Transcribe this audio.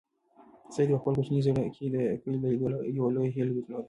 سعید په خپل کوچني زړه کې د کلي د لیدلو یوه لویه هیله درلوده.